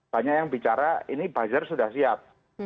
banyak yang bicara ini buzzer sudah siap